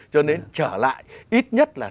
cho nên trở lại ít nhất là